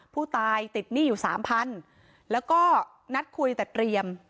ผู้ตายติดหนี้อยู่สามพันแล้วก็นัดคุยแต่เตรียม